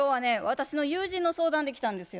私の友人の相談で来たんですよ。